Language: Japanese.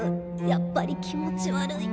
やっぱり気持ち悪い。